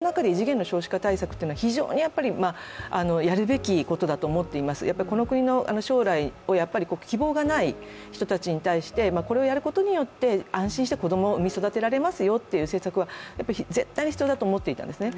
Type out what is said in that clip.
私はその中で異次元の少子化というのは非常にやるべきことだと思っています、この国の将来をやっぱり希望がない人たちに対してこれをやることによって安心して子供を産み育てられますよという政策はやっぱり絶対に必要だと思っていたんですね。